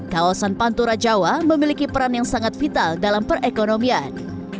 kawasan pantura jawa memiliki peran yang sangat vital dalam perekonomian